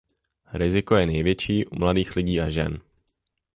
Riziko je největší u mladých lidí a u žen.